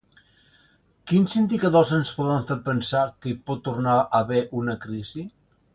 Quins indicadors ens poden fer pensar que hi pot tornar a haver una crisi?